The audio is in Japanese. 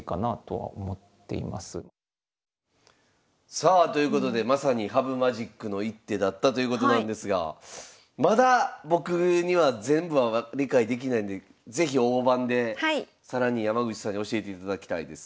さあということでまさに羽生マジックの一手だったということなんですがまだ僕には全部は理解できないんで是非大盤で更に山口さんに教えていただきたいです。